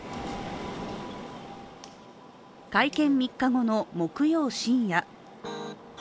会見３日後の木曜深夜。